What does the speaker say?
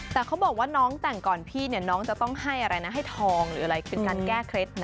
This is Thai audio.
แต่เขาบอกว่าน้องแต่งก่อนพี่เนี่ยน้องจะต้องให้อะไรนะให้ทองหรืออะไรเป็นการแก้เคล็ดนะ